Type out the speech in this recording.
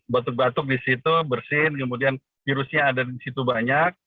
batuk batuk di situ bersin kemudian virusnya ada di situ banyak